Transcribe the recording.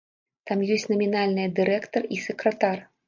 Там ёсць намінальныя дырэктар і сакратар.